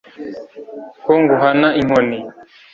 ko nguhana inkoni